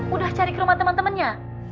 udah cari ke rumah temen temennya